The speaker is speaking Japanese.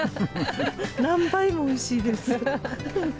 何倍もおいしいです。